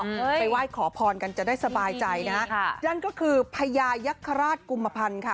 ไปไหว้ขอพรกันจะได้สบายใจนะฮะค่ะนั่นก็คือพญายักษราชกุมพันธ์ค่ะ